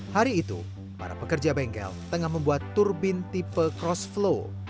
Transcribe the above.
hari itu para pekerja bengkel tengah membuat turbin tipe cross flow